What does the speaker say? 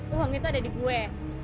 uang itu ada di gue